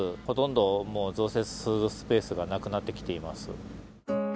ほとんどもう増設するスペースがなくなってきています。